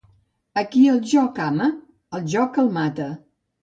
A qui el joc ama, el joc el mata.